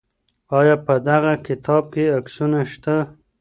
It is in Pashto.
آیا په دغه کتاب کي عکسونه شته؟